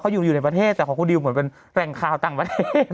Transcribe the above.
อยู่ในประเทศแต่ของคุณดิวเหมือนเป็นแหล่งข่าวต่างประเทศ